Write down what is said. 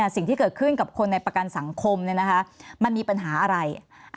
สิ่งที่เกิดขึ้นกับคนในประกันสังคมมันมีปัญหาอะไร